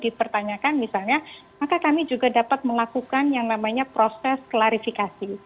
dipertanyakan misalnya maka kami juga dapat melakukan yang namanya proses klarifikasi